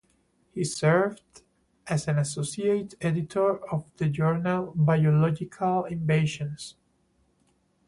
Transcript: He served as an associate editor of the journal "Biological Invasions".